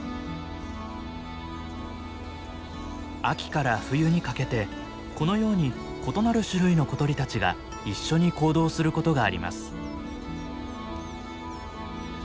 秋から冬にかけてこのように異なる種類の小鳥たちが一緒に行動することがあります。